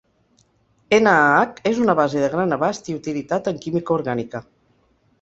NaH és una base de gran abast i utilitat en química orgànica.